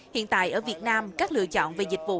hiện tại ở việt nam các lựa chọn về dịch vụ